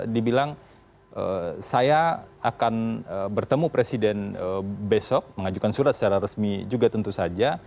dibilang saya akan bertemu presiden besok mengajukan surat secara resmi juga tentu saja